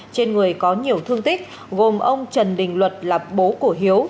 trên người có nhiều thương tích gồm ông trần đình luật là bố của hiếu